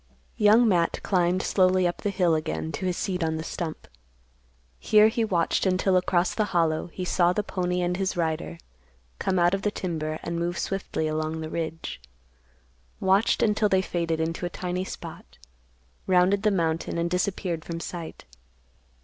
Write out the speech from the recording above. Young Matt climbed slowly up the hill again to his seat on the stump. Here he watched until across the Hollow he saw the pony and his rider come out of the timber and move swiftly along the ridge; watched until they faded into a tiny spot, rounded the mountain and disappeared from sight.